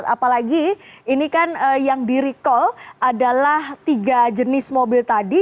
apalagi ini kan yang di recall adalah tiga jenis mobil tadi